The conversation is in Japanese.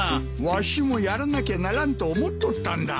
わしもやらなきゃならんと思っとったんだ。